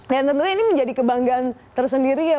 nah tentunya ini menjadi kebanggaan tersendiri ya